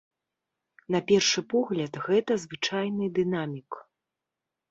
На першы погляд гэта звычайны дынамік.